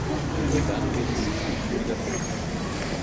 Nur dann wird es sich nicht wiederholen.